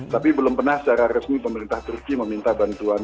tapi belum pernah secara resmi pemerintah turki meminta bantuan